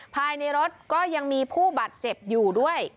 ภายในรถก็ยังมีผู้บาดเจ็บอยู่ด้วย